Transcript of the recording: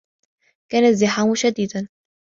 كَانَ الزِّحامُ شَدِيدًا.